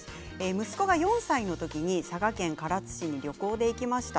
息子が４歳の時に佐賀県唐津市に旅行に行きました。